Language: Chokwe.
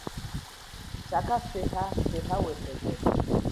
Sakaseha seha wesekele.